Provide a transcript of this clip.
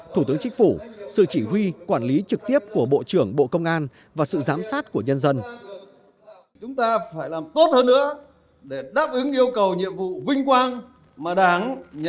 thủ tướng chính phủ sự chỉ huy quản lý trực tiếp của bộ trưởng bộ công an và sự giám sát của nhân dân